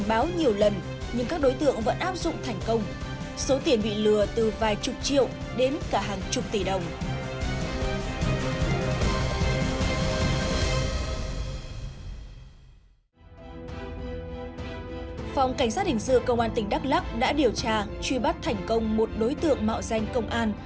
phòng cảnh sát hình sư công an tỉnh đắk lắc đã điều tra truy bắt thành công một đối tượng mạo danh công an